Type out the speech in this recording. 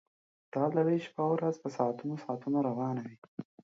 دا لړۍ شپه ورځ په ساعتونو ساعتونو روانه وي